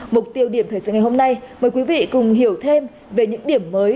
mục tiêu điểm thời sự ngày hôm nay mời quý vị cùng hiểu thêm về những điểm mới